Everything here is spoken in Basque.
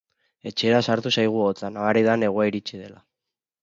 Etxera sartu zaigu hotza, nabari da negua iritsi dela.